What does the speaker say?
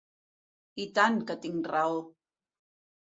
I tant que tinc raó.